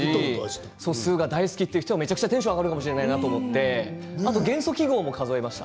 素数が大好きという人はめちゃくちゃテンションが上がるかもしれないなとかあと元素記号も数えました。